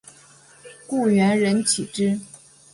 故园人岂知？